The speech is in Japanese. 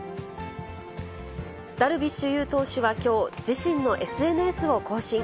ダルビッシュ有投手はきょう、自身のＳＮＳを更新。